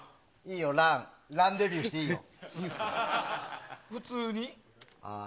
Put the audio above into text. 「ＲＵＮ」デビューしていいよ。